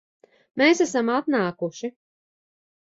Mēs esam atnākuši